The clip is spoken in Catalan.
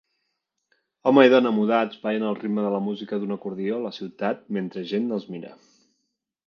Home i dona mudats ballen al ritme de la música d'un acordió a la ciutat mentre gent els mira.